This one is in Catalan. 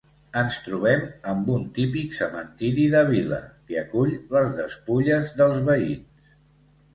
Ens trobem amb un típic cementiri de vila, que acull les despulles dels veïns.